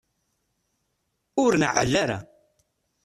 Ur neɛɛel ara.